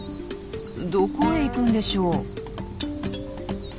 どこへ行くんでしょう？